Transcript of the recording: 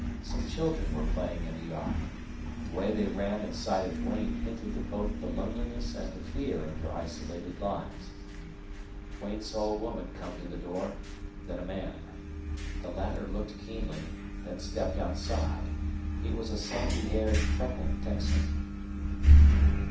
Some children were playing in the yard. The way they ran at sight of Duane hinted of both the loneliness and the fear of their isolated lives. Duane saw a woman come to the door, then a man. The latter looked keenly, then stepped outside. He was a sandy haired, freckled Texan.